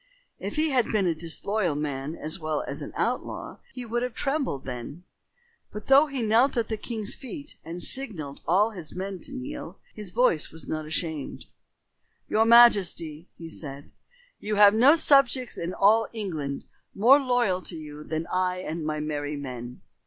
If he had been a disloyal man as well as an outlaw, he would have trembled then. But, though he knelt at the king's feet and signalled all his men to kneel, his voice was not ashamed. "Your majesty," he said, "you have no subjects in all England more loyal to you than I and my merry men.